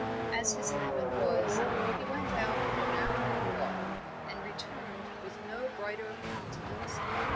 As his habit was, he went out for an afternoon walk, and returned with no brighter countenance.